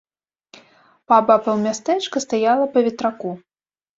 Паабапал мястэчка стаяла па ветраку.